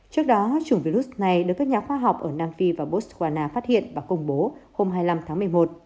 trước đó chủng virus này được các nhà khoa học ở nam phi và botswana phát hiện và công bố hôm hai mươi năm tháng một mươi một